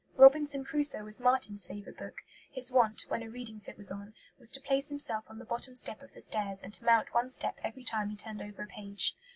Robinson Crusoe was Marten's favourite book; his wont, when a reading fit was on, was to place himself on the bottom step of the stairs and to mount one step every time he turned over a page.